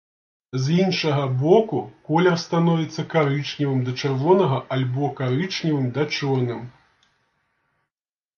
З іншага боку, колер становіцца карычневым да чырвонага альбо карычневым да чорным.